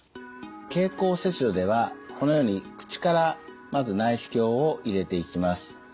経口切除ではこのように口からまず内視鏡を入れていきます。